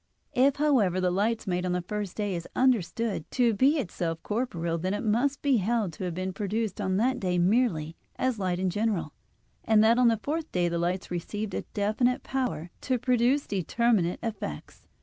If, however, the light made on the first day is understood to be itself corporeal, then it must be held to have been produced on that day merely as light in general; and that on the fourth day the lights received a definite power to produce determinate effects.